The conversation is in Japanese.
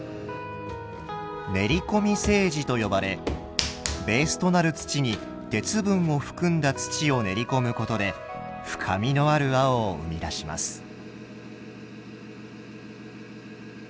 練り込み青磁と呼ばれベースとなる土に鉄分を含んだ土を練り込むことで深みのある青を生み出します。